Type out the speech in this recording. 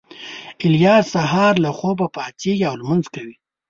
الیاس سهار له خوبه پاڅېږي او لمونځ کوي